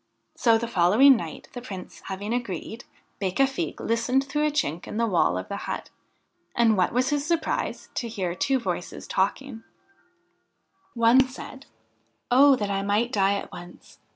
So the following night, the Prince having agreed, Becafigue listened through a chink in the wall of the hut, and what was his surprise to hear two voices talking I One said : 'Oh, that I might die at once!